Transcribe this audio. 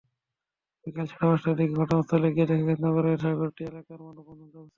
বিকেল সাড়ে পাঁচটার দিকে ঘটনাস্থলে গিয়ে দেখা গেছে, নগরের সাগরদি এলাকায় মানববন্ধন চলছে।